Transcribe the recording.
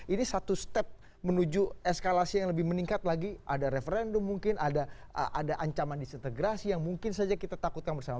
ini satu step menuju eskalasi yang lebih meningkat lagi ada referendum mungkin ada ancaman disintegrasi yang mungkin saja kita takutkan bersama